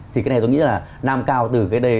thì cái này tôi nghĩ là nam cao từ cái đây